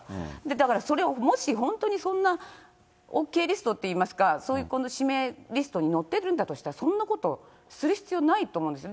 だからそれをもし本当に、そんなＯＫリストとっていいますか、そういう指名リストに載ってるんだとしたら、そんなことする必要ないと思うんですよ。